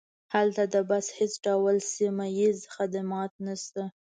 هلته د بس هیڅ ډول سیمه ییز خدمات نشته